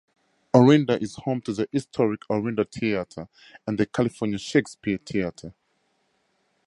Orinda is home to the historic Orinda Theatre and the California Shakespeare Theater.